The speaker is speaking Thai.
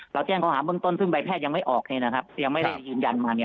เราแจ้งข้อหาเบื้องต้นซึ่งใบแพทยังไม่ออกเนี้ยนะครับยังไม่ได้ยืนยันมาเนี้ย